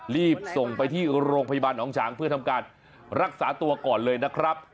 รีบส่งไปที่โรงพยาบาลหนองฉางเพื่อทำการรักษาตัวก่อนเลยนะครับ